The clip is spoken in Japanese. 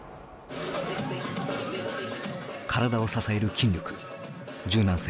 体を支える筋力柔軟性。